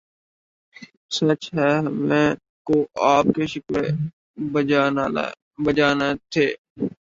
سچ ہے ہمیں کو آپ کے شکوے بجا نہ تھے